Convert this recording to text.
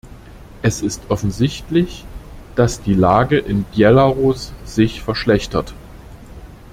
Es ist offensichtlich, dass die Lage in Belarus sich verschlechtert.